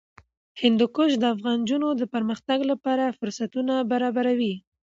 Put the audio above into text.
هندوکش د افغان نجونو د پرمختګ لپاره فرصتونه برابروي.